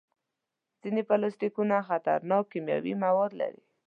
ځینې پلاستيکونه خطرناک کیمیاوي مواد لري.